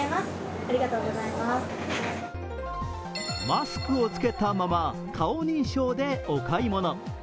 マスクを着けたまま顔認証でお買い物。